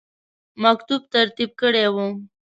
مکتوب ترتیب کړی وو.